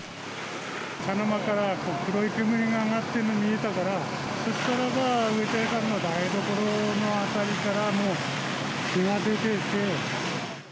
茶の間から黒い煙が上がっているのが見えたから、そしたらば、上田屋さんの台所の辺りからもう火が出ていて。